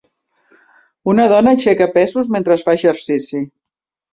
Una dona aixeca pesos mentre fa exercici.